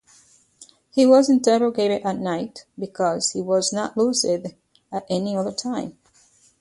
He was interrogated at night because he was not lucid at any other time.